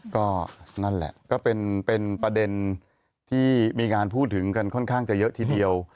ก็นั่นแหละก็เป็นประเด็นที่มีการพูดถึงกันค่อนข้างจะเยอะทีเดียว